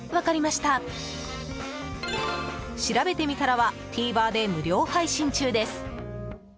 「しらべてみたら」はｖｅｒで無料配信中です。